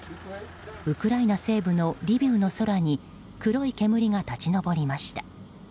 ウクライナ西部のリビウの空に黒い煙が立ち上りました。